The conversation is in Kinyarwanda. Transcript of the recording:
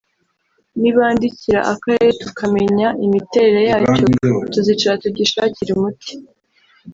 nibandikira Akarere tukamenya imiterere yacyo tuzicara tugishakire umuti